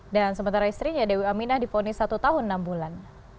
dan sementara istrinya dewi aminah difonis satu tahun enam bulan